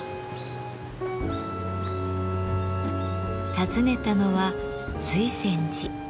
訪ねたのは瑞泉寺。